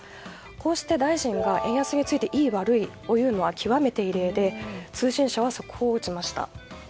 こうして大臣が円安についていい悪いを言うのは極めて異例で通信社は速報を打ちました。